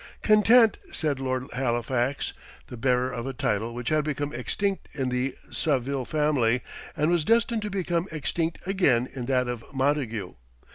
"Content," said Lord Halifax, the bearer of a title which had become extinct in the Saville family, and was destined to become extinct again in that of Montague.